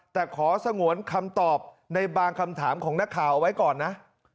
แต่ขอสงวนคำตอบในบางคำถามของนักข่าวเอาไว้ก่อนนะ